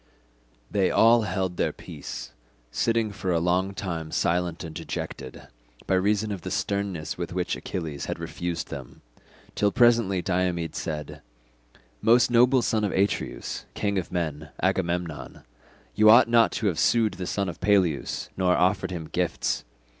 They all held their peace, sitting for a long time silent and dejected, by reason of the sternness with which Achilles had refused them, till presently Diomed said, "Most noble son of Atreus, king of men, Agamemnon, you ought not to have sued the son of Peleus nor offered him gifts.